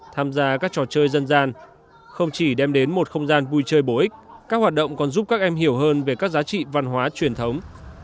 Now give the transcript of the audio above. tham gia các trò chơi dân gian không chỉ đem đến một không gian vui chơi bổ ích các hoạt động còn giúp các em hiểu hơn về các giá trị văn hóa truyền thống